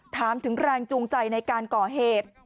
ถามถึงแรงจูงใจในการก่อเหตุ